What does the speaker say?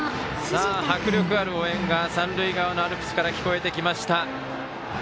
迫力ある応援が三塁側のアルプスから聞こえてきました。